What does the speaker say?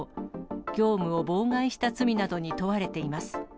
業務を妨害した罪などに問われています。